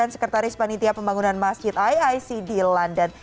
sekretaris panitia pembangunan masjid iic di london